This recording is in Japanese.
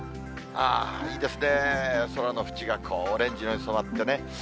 ああ、いいですね、空のふちがオレンジ色に染まってね。